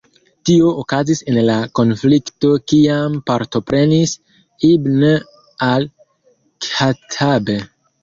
Tio okazis en la konflikto kiam partoprenis Ibn al-Khattab.